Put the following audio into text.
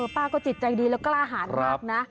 ป้าก็จิตใจดีแล้วกล้าหารมากนะ